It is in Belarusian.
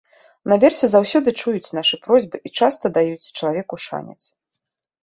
Наверсе заўсёды чуюць нашы просьбы і часта даюць чалавеку шанец.